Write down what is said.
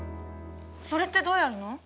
それってどうやるの？